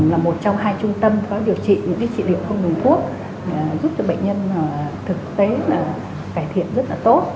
là một trong hai trung tâm có điều trị những cái trị liệu không đường thuốc giúp cho bệnh nhân thực tế là cải thiện rất là tốt